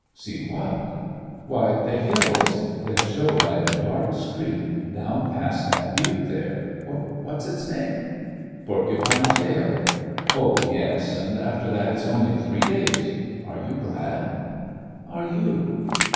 "See what?" "Why, the Hills! They'll show like a dark streak, down past that butte there what's its name?" "Porcupine Tail." "Oh, yes. And after that it's only three days. Are you glad?" "Are you?"